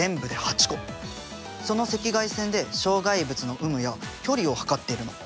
その赤外線で障害物の有無や距離を測っているの。